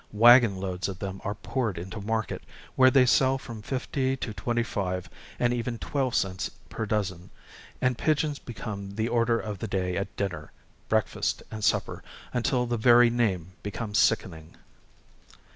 Wagon loads of them are poured into market, where they sell from fifty to twenty five and even twelve cents per dozen; and pigeons become the order of the day at dinner, breakfast and supper, until the very name becomes sickening."